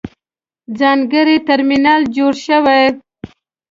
ځانګړی ترمینل جوړ شوی.